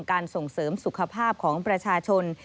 ส่งเสริมสุขภาพของประชาชน